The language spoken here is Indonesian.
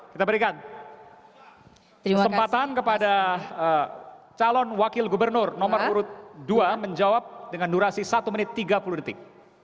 kita berikan kesempatan kepada calon wakil gubernur nomor urut dua menjawab dengan durasi satu menit tiga puluh detik